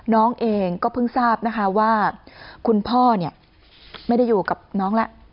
น้องเองก็เพิ่งทราบนะคะว่าคุณพ่อเนี่ยไม่ได้อยู่กับน้องแล้ว